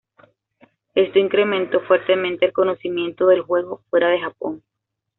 Esto incrementó fuertemente el conocimiento del juego fuera de Japón.